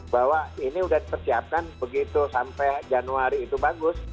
bahwa ini sudah dipersiapkan begitu sampai januari itu bagus